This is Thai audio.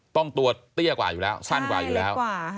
ตัวเตี้ยกว่าอยู่แล้วสั้นกว่าอยู่แล้ว